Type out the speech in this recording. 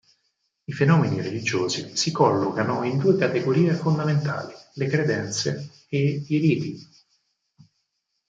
I fenomeni religiosi si collocano in due categorie fondamentali: le credenze e i riti.